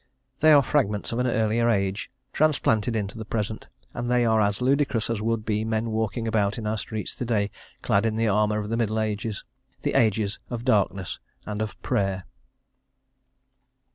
They are fragments of an earlier age transplanted into the present, and they are as ludicrous as would be men walking about in our streets to day clad in the armour of the Middle Ages, the ages of Darkness and of Prayer.